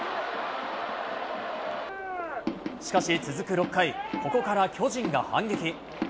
しかし続く６回、ここから巨人が反撃。